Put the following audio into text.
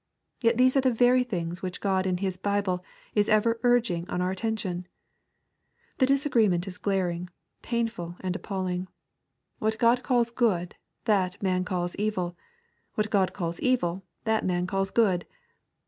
Yet these are the very things which God in His Bible is ever urging on our at tention !— The disagreement is glaring, painful, and appalling. What God calls good, that man calls evil 1 What God calls evil, that man calls good